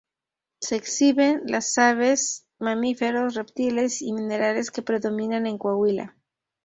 Se exhiben las aves, mamíferos, reptiles y minerales que predominan en Coahuila.